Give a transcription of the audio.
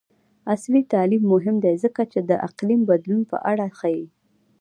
عصري تعلیم مهم دی ځکه چې د اقلیم بدلون په اړه ښيي.